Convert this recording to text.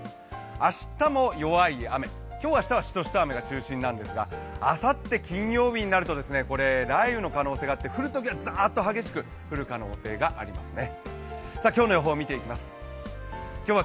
明日も弱い雨、今日、明日はしとしと雨が中心なんですがあさって金曜日になると雷雨の可能性があって降るときはザーッと激しく降る可能性がありますね。